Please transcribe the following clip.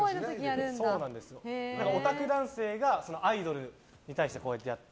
オタク男性がアイドルに対してこうやって。